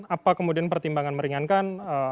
apa kemudian pertimbangan meringankan